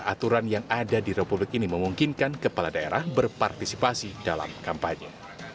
aturan yang ada di republik ini memungkinkan kepala daerah berpartisipasi dalam kampanye